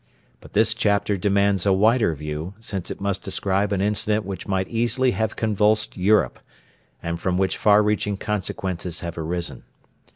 But this chapter demands a wider view, since it must describe an incident which might easily have convulsed Europe, and from which far reaching consequences have arisen.